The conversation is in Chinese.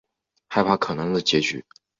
害怕可能的结局